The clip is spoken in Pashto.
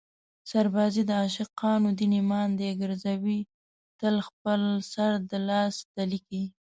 سربازي د عاشقانو دین ایمان دی ګرزوي تل خپل سر د لاس تلي کې